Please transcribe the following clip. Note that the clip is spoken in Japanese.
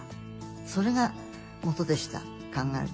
それがもとでした考えると。